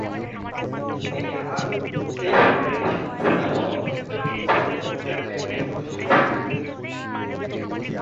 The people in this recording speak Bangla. তিনি আরও বেশ কয়েকটি সংস্থার সভাপতিত্ব করেছেন এবং বোর্ডের ব্যাংকের সদস্য ছিলেন।